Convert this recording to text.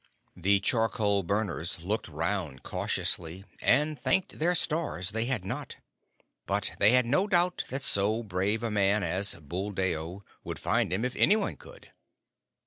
The charcoal burners looked round cautiously, and thanked their stars they had not; but they had no doubt that so brave a man as Buldeo would find him if any one could.